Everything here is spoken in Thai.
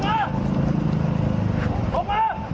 ตำรวจต้องไล่ตามกว่าจะรองรับเหตุได้